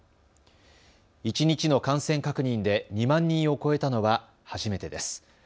一日の感染確認で２万人を超えたのは初めてです。